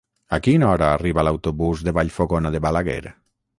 A quina hora arriba l'autobús de Vallfogona de Balaguer?